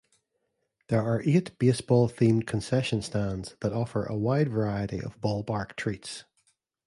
There are eight baseball-themed concession stands that offer a wide variety of ballpark treats.